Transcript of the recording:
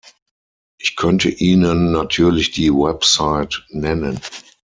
Ich könnte Ihnen natürlich die Website nennen.